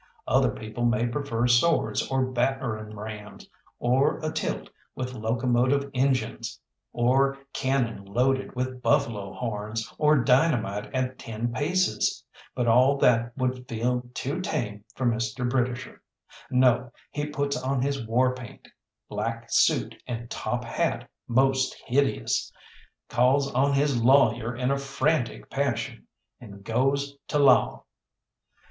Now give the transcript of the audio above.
Other people may prefer swords or battering rams, or a tilt with locomotive engines, or cannon loaded with buffalo horns, or dynamite at ten paces; but all that would feel too tame for Mr. Britisher. No, he puts on his war paint black suit and top hat most hideous calls on his lawyer in a frantic passion, and goes to law!